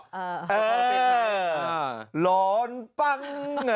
เออร้อนบ้าง